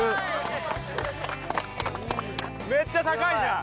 めっちゃ高いじゃん！